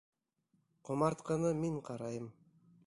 Ҡомартҡыны мин ҡарайым.